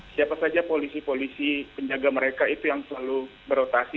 siapa saja polisi polisi penjaga mereka itu yang selalu berotasi